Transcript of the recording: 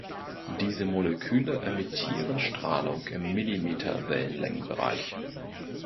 Diese Moleküle emittieren Strahlung im Millimeter-Wellenlängenbereich.